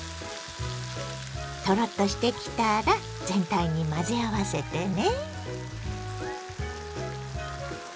トロッとしてきたら全体に混ぜ合わせてね。